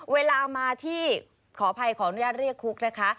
เวลามาที่ขออภัยขออนุญาตเรียกคุกนะคะ